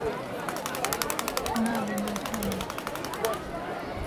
Navê min Tom e.